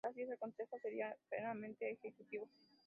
Así el Consejo sería meramente ejecutivo.